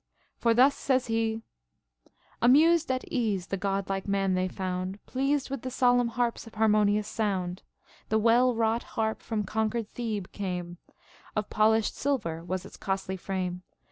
For thus says he :— Amused at ease, tlie god like man they found, Pleased with the solemn harp's harmonious sound. The well wrought harp from conquered Thehe came; Of polished silver was its costly frame.